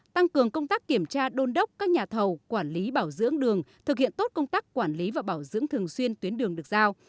tăng cường công tác kiểm tra đôn đốc các nhà thầu quản lý bảo dưỡng đường thực hiện tốt công tác quản lý và bảo dưỡng thường xuyên tuyến đường được giao